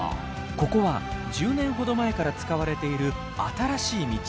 ここは１０年ほど前から使われている新しい道。